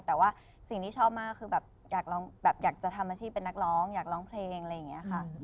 แต่ว่าสิ่งที่ชอบมากคือแบบอยากจะทำอาชีพเป็นนักร้องอยากร้องเพลงอะไรอย่างนี้ค่ะ